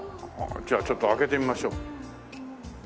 じゃあちょっと開けてみましょう。